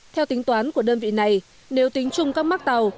theo tính toán của đơn vị này nếu tính chung các mắc tàu